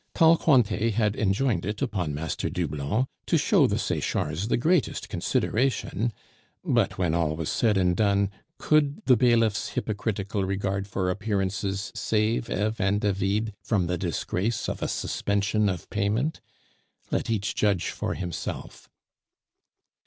Tall Cointet had enjoined it upon Master Doublon to show the Sechards the greatest consideration; but when all was said and done, could the bailiff's hypocritical regard for appearances save Eve and David from the disgrace of a suspension of payment? Let each judge for himself.